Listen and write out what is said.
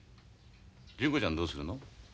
純子ちゃんはどうするの？